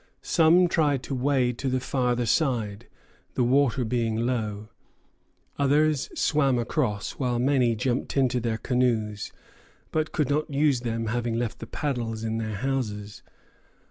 Some tried to wade to the farther side, the water being low; others swam across, while many jumped into their canoes, but could not use them, having left the paddles in their houses.